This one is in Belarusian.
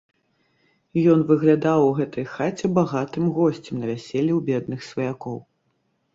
Ён выглядаў у гэтай хаце багатым госцем на вяселлі ў бедных сваякоў.